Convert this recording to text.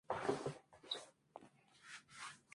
La investigación completa se publicó como libro.